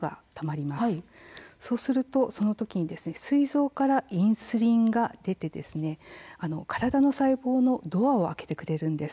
そうするとそのときにすい臓からインスリンが出て体の細胞のドアを開けてくれるんです。